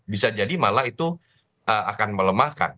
bisa jadi malah itu akan melemahkan